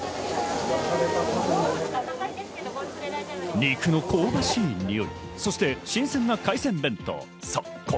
肉の香ばしいにおい、そして新鮮な海鮮弁当。